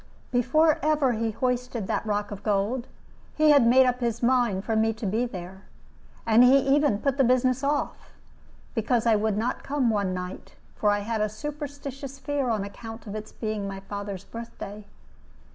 Before ever he hoisted that rock of gold, he had made up his mind for me to be there, and he even put the business off, because I would not come one night, for I had a superstitious fear on account of its being my father's birthday.